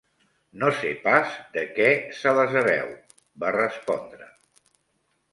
-No sé pas de què se les haveu…- va respondre